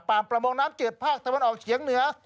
ประมงน้ำ๗ภาคตะวันออกเฉียงเหนือ